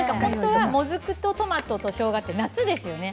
もずくとトマトとしょうがって夏ですよね。